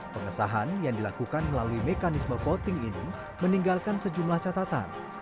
pengesahan yang dilakukan melalui mekanisme voting ini meninggalkan sejumlah catatan